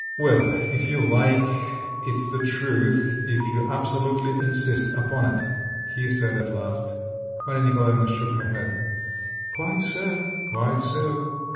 "Well, if you like; it's the truth, if you absolutely insist upon it," he said at last. Maria Nikolaevna shook her head. "Quite so, quite so.